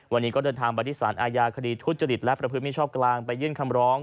วันนี้ก็เดินทางไปที่สารอาญาคดีทุจริตและประพฤติมิชชอบกลางไปยื่นคำร้อง